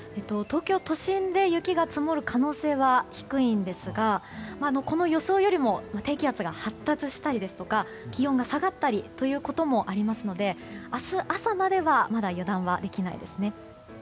東京都心で雪が積もる可能性は低いんですが、この予想よりも低気圧が発達したり気温が下がったりということもありますので明日朝まではまだ油断はできないですね。